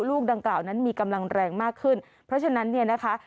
ลูกดังกล่าวนั้นมีกำลังแรงมากขึ้นเพราะฉะนั้นเนี่ยนะคะ